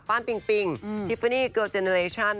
ฟ้านปิงปิงทิฟฟานีเกิร์ลเจนเนเรชั่น